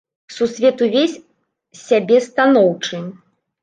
Сусвет увесь з сябе станоўчы.